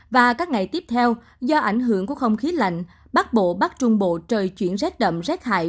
và các ngày tiếp theo do ảnh hưởng của không khí lạnh bắc bộ bắc trung bộ trời chuyển rét đậm rét hại